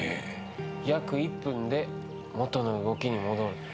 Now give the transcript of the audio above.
約１分で元の動きに戻る。